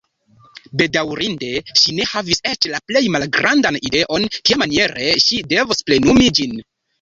Bedaŭrinde, ŝi ne havis eĉ la plej malgrandan ideon kiamaniere ŝi devos plenumi ĝin.